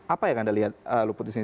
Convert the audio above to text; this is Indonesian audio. apa yang anda lihat luput di sini